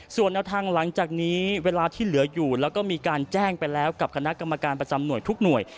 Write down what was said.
ส่วนแนวทางหลังจากนี้เวลาที่เหลืออยู่แล้วก็มีการแจ้งไปแล้วกับคณะกรรมการประจำหน่วยทุกหน่วย